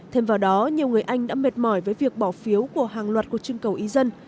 thêm vào đó nhiều người anh đã mệt mỏi với việc bỏ phiếu của hàng loạt cuộc trưng cầu ý dân